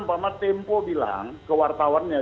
umpama tempo bilang ke wartawannya